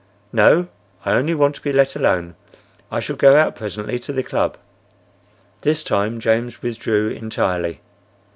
"No, I only want to be let alone. I shall go out presently to the club." This time James withdrew entirely.